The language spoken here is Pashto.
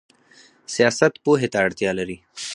سیاست پوهې ته اړتیا لري